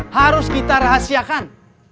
harus kita rahasiakan